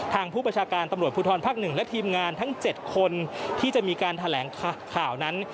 ผู้ประชาการตำรวจภูทรภาค๑และทีมงานทั้ง๗คนที่จะมีการแถลงข่าวนั้น